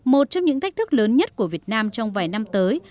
một trong những thách thức lớn nhất của việt nam trong vài năm tới